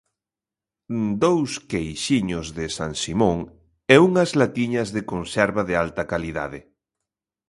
Dous queixiños de San Simón e unhas latiñas de conserva de alta calidade.